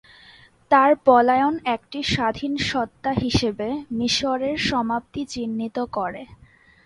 তার পলায়ন একটি স্বাধীন সত্তা হিসেবে মিশরের সমাপ্তি চিহ্নিত করে।